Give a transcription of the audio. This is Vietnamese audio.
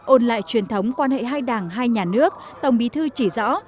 ôn lại truyền thống quan hệ hai đảng hai nhà nước tổng bí thư chỉ rõ